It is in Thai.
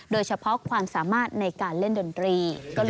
โดยเฉพาะความสามารถในการเล่นดนตรี